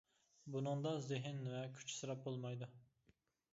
بۇنىڭدا زېھىن ۋە كۈچ ئىسراپ بولمايدۇ.